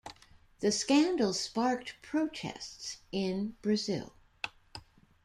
The scandal sparked protests in Brazil.